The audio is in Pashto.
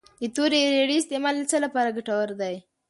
د تورې اریړې استعمال د څه لپاره ګټور دی؟